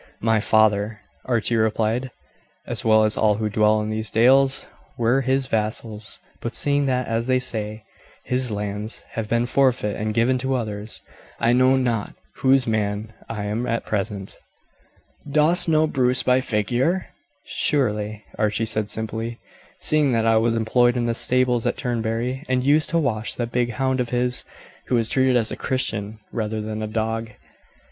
"My father," Archie replied, "as well as all who dwell in these dales, were his vassals; but seeing that, as they say, his lands have been forfeit and given to others, I know not whose man I am at present." "Dost know Bruce by figure?" "Surely," Archie said simply, "seeing that I was employed in the stables at Turnberry, and used to wash that big hound of his, who was treated as a Christian rather than a dog."